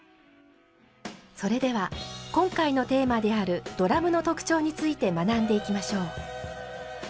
それでは今回のテーマであるドラムの特徴について学んでいきましょう。